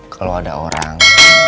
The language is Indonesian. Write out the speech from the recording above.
kalau ada orang